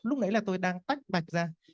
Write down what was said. lúc nãy là tôi đang tách mạch ra